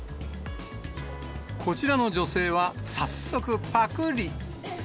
こちらの女性は、早速ぱくり。